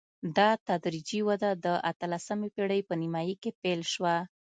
دا تدریجي وده د اتلسمې پېړۍ په نیمايي کې پیل شوه.